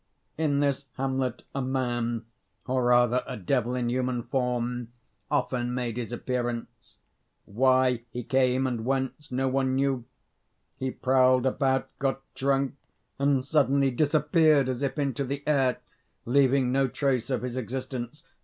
In this hamlet a man, or rather a devil in human form, often made his appearance. Why he came, and whence, no one knew. He prowled about, got drunk, and suddenly disappeared as if into the air, leaving no trace of his existence.